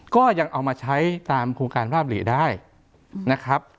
ก็ยังเอามาใช้ตามโครงการภาพหลีได้นะครับ